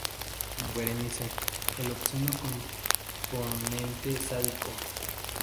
Con "Berenice", el obsceno componente sádico.